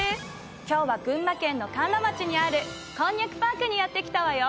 今日は群馬県の甘楽町にあるこんにゃくパークにやって来たわよ！